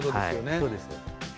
そうです。